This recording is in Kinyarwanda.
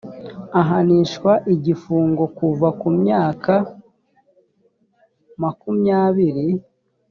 ahanishwa igifungo kuva ku myaka makumyabiri